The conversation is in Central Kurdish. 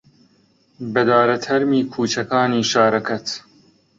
بەدارە تەرمی کووچەکانی شارەکەت